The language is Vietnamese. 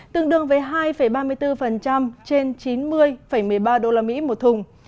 tương đương với hai ba mươi bốn trên chín mươi một mươi ba usd một thùng